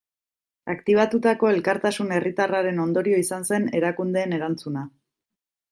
Aktibatutako elkartasun herritarraren ondorio izan zen erakundeen erantzuna.